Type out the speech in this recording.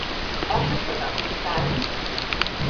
অসুস্থতা, স্যার।